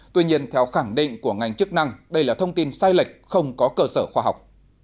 tuy nhiên theo khẳng định của ngành chức năng đây là thông tin sai lệch không có cơ sở khoa học